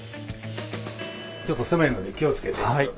ちょっと狭いので気をつけて来て下さい。